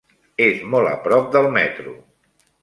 És molt a prop del metro.